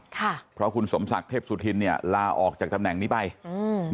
ค่ะเพราะคุณสมศักดิ์เทพสุธินเนี่ยลาออกจากตำแหน่งนี้ไปอืม